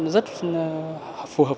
rất phù hợp